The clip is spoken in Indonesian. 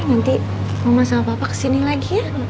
nanti mama sama papa kesini lagi ya